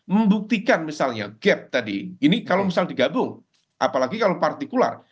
membuktikan misalnya gap tadi ini kalau misal digabung apalagi kalau partikular